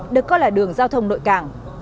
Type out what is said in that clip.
được coi là đường giao thông nội cảng